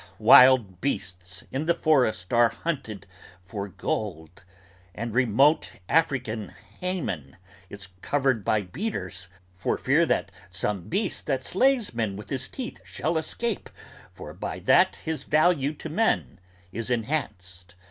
Wild beasts, in the forest are hunted, for gold; and remote African hammon is covered by beaters, for fear Some beast that slays men with his teeth shall escape, for by that His value to men is enhanced!